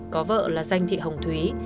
có vợ là danh thị hồng thúy